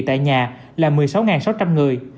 tại nhà là một mươi sáu sáu trăm linh người